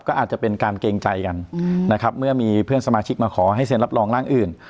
ก็อาจจะเป็นการเกรงใจกันนะครับเมื่อมีเพื่อนสมาชิกมาขอให้เซ็นรับรองร่างอื่น